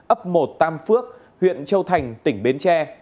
ấp một tam phước huyện châu thành tỉnh bến tre